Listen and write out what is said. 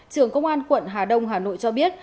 trưởng công an quận hà đông hà nội cho biết